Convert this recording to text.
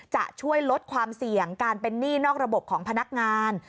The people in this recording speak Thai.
จะช่วยลดความเสี่ยงการเป็นหนี้นอกระบบของพนักงาน